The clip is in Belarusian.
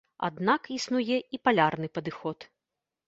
Аднак існуе і палярны падыход.